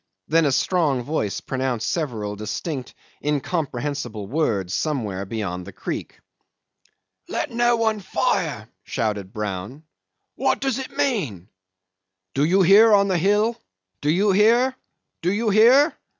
Then a strong voice pronounced several distinct incomprehensible words somewhere beyond the creek. "Let no one fire," shouted Brown. "What does it mean?" ... "Do you hear on the hill? Do you hear? Do you hear?"